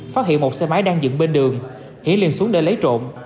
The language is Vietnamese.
phát hiện một xe máy đang dựng bên đường hiển lên xuống để lấy trộm